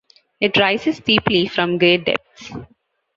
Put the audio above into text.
It rises steeply from great depths.